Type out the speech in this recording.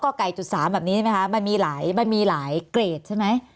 ก็ไก่จุด๓แบบนี้ใช่ไหมคะมันมีหลายเกรดใช่ไหม